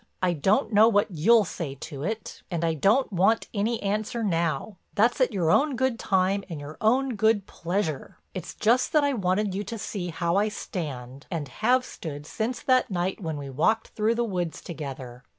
I don't know what you'll say to it and I don't want any answer now. That's at your own good time and your own good pleasure. It's just that I wanted you to see how I stand and have stood since that night when we walked through the woods together.